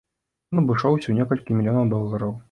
Ён абышоўся ў некалькі мільёнаў долараў.